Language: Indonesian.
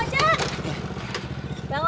bang ojak bang ojak